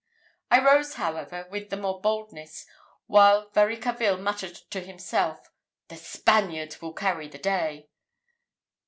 I rose, however, with the more boldness, while Varicarville muttered to himself "the Spaniard will carry the day."